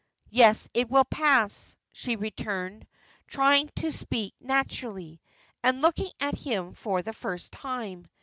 "Yes, it will pass," she returned, trying to speak naturally, and looking at him for the first time.